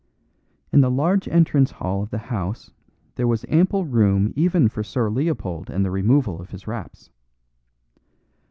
In the large entrance hall of the house there was ample room even for Sir Leopold and the removal of his wraps.